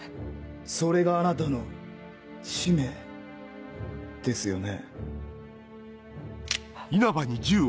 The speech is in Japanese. それがあなたの使命ですよね？